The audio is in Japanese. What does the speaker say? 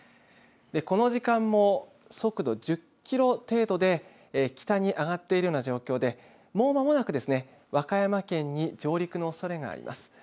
この時間も速度１０キロ程度で北に上がっているような状況でもう間もなくですね和歌山県に上陸のおそれがあります。